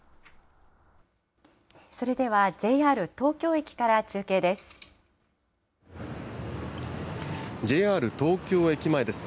それでは、ＪＲ東京駅から中継です。